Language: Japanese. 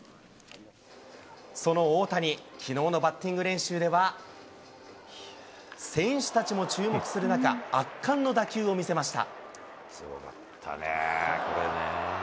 その大谷、きのうのバッティング練習では、選手たちも注目する中、圧巻の打球を見せました。